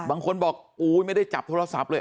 บางคนบอกอุ๊ยไม่ได้จับโทรศัพท์เลย